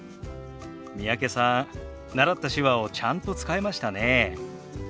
三宅さん習った手話をちゃんと使えましたね。